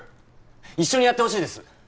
一緒にやってほしいです